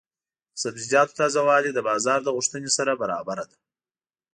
د سبزیجاتو تازه والي د بازار د غوښتنې سره برابره ده.